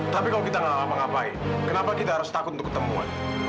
tapi kalau kita gak tahu apa apa ngapain kenapa kita harus takut untuk ketemuan